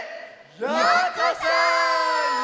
ようこそ！